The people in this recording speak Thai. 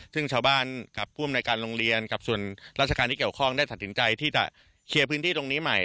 ซึ่งชาวบ้านกับผู้อำนวยการโรงเรียนกับส่วนราชการที่เกี่ยวข้องได้ตัดสินใจที่จะเคลียร์พื้นที่ตรงนี้ใหม่